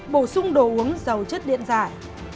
bổ sung đồ uống giàu chất điện giải